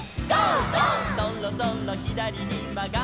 「そろそろひだりにまがります」